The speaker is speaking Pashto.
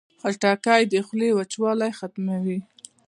خټکۍ د خولې وچوالی ختموي.